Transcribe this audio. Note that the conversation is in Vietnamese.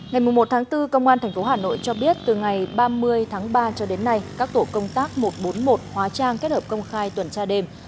ngày một tháng bốn công an tp hà nội cho biết từ ngày ba mươi tháng ba cho đến nay các tổ công tác một trăm bốn mươi một hóa trang kết hợp công khai tuần tra đêm